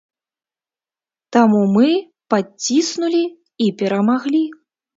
Таму мы падціснулі і перамаглі.